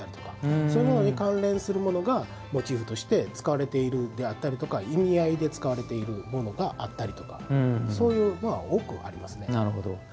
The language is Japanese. そういうものに関連するものがモチーフに使われていたりとか意味合いで使われているものがあったりとかそういうのが多くありますね。